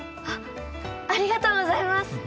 ありがとうございます。